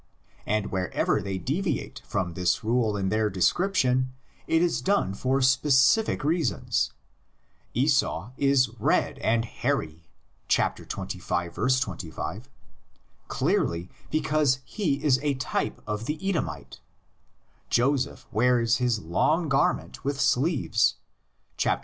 And wherever they deviate from this rule in their description it is done for specific reasons: Esua is red and hairy (xxv. '25) clearly because he is a type of the Edomite; Joseph wears his long garment with sleeves (xxxvii.